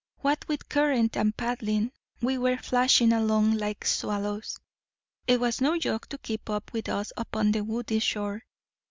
What with current and paddling, we were flashing along like swallows. It was no joke to keep up with us upon the woody shore.